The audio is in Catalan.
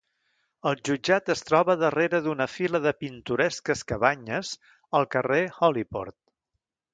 El jutjat es troba darrere d'una fila de pintoresques cabanyes al carrer Holyport.